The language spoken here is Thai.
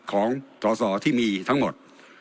ของสอสอที่มีทั้งหมด